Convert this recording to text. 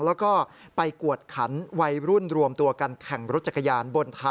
แล้วก็ไปกวดขันวัยรุ่นรวมตัวกันแข่งรถจักรยานบนทาง